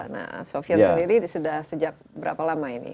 nah sofian sendiri sudah sejak berapa lama ini